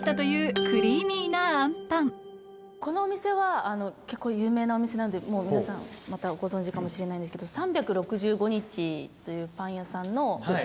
このお店は結構有名なお店なんでもう皆さんたぶんご存じかもしれないんですけど３６５日というパン屋さんの。